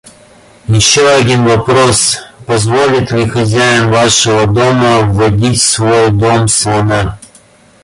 Еще один вопрос: позволит ли хозяин вашего дома вводить в свой дом слона?